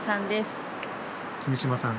君島さん